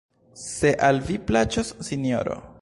Se al vi plaĉos, Sinjoro...